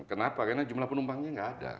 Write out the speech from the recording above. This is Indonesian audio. kenapa karena jumlah penumpangnya nggak ada